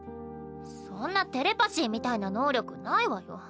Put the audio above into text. そんなテレパシーみたいな能力ないわよ。